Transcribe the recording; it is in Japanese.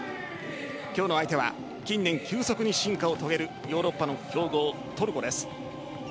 今日の相手は近年、急速に進化を遂げるヨーロッパの強豪・トルコです。